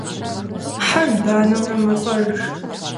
Хьэр банэурэ мэлӏэж.